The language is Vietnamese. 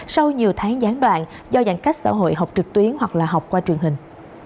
sau nhiều tháng gián đoạn do giãn cách xã hội học trực tuyến hoặc là học qua truyền hình